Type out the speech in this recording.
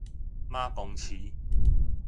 馬公市